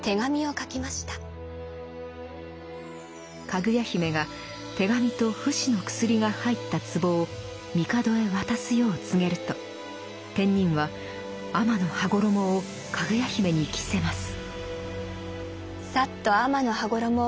かぐや姫が手紙と不死の薬が入った壺を帝へ渡すよう告げると天人は天の羽衣をかぐや姫に着せます。